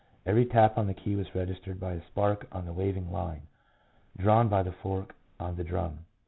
Every tap on the key was registered by a spark on the waving line, drawn by the fork on the drum.